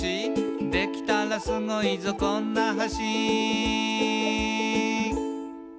「できたらスゴいぞこんな橋」